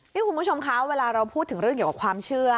นี่คุณผู้ชมคะเวลาเราพูดถึงเรื่องเกี่ยวกับความเชื่อ